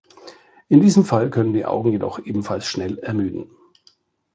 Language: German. In diesem Fall können die Augen jedoch ebenfalls schnell ermüden.